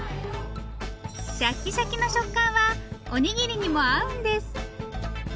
シャッキシャキの食感はおにぎりにも合うんです。